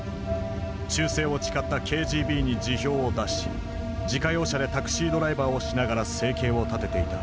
忠誠を誓ったＫＧＢに辞表を出し自家用車でタクシードライバーをしながら生計を立てていた。